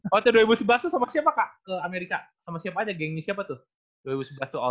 waktu dua ribu sebelas tuh sama siapa kak ke amerika sama siapa aja gengis siapa tuh dua ribu sebelas tuh all star